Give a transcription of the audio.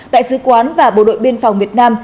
đại sứ quán và bộ đội biên phòng việt nam